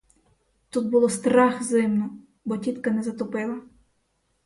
Тут було страх зимно, бо тітка не затопила.